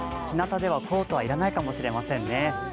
日向ではコートは要らないかもしれませんね。